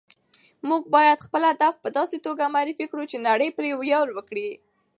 موږ باید خپل فرهنګ په داسې توګه معرفي کړو چې نړۍ پرې ویاړ وکړي.